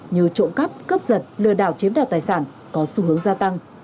như trộm cắp cướp giật lừa đảo chiếm đoạt tài sản có xu hướng gia tăng